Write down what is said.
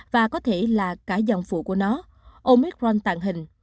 và có thể là cả dòng phụ của nó omicron tạo hình